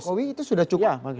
jokowi itu sudah cukup